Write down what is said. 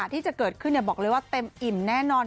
ที่จะเกิดขึ้นบอกเลยว่าเต็มอิ่มแน่นอน